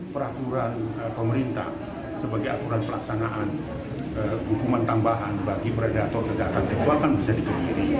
peraturan pemerintah sebagai aturan pelaksanaan hukuman tambahan bagi predator kejaksaan seksual